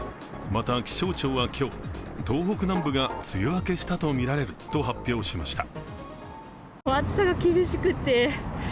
また気象庁は今日、東北南部が梅雨明けしたとみられると発表しました。